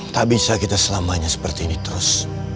tak bisa kita selamanya seperti ini terus